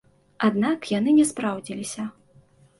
Аднак яны не спраўдзіліся.